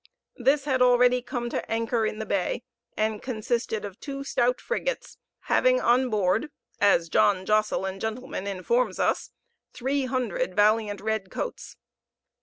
This had already come to anchor in the bay, and consisted of two stout frigates, having on board, as John Josselyn, gent., informs us, "three hundred valiant red coats."